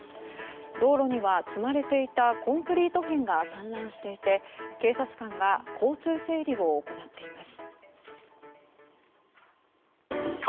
道路には積まれていたコンクリート片が散乱していて警察官が交通整理を行っています。